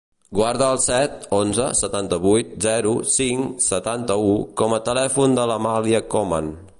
Guarda el set, onze, setanta-vuit, zero, cinc, setanta-u com a telèfon de l'Amàlia Coman.